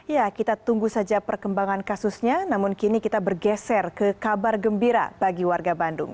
ya kita tunggu saja perkembangan kasusnya namun kini kita bergeser ke kabar gembira bagi warga bandung